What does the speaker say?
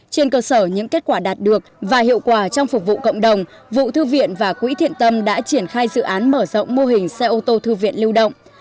trên cơ sở những kết quả đạt được và hiệu quả trong phục vụ cộng đồng vụ thư viện và quỹ thiện tâm đã triển khai dự án mở rộng mô hình xe ô tô thư viện lưu động